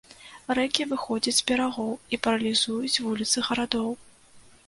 Рэкі выходзяць з берагоў і паралізуюць вуліцы гарадоў.